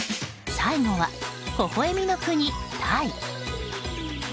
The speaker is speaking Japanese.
最後は、ほほ笑みの国タイ。